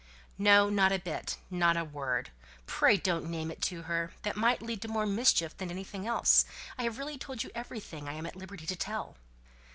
"No; not a bit; not a word. Pray don't name it to her. That might lead to more mischief than anything else. I have really told you everything I am at liberty to tell."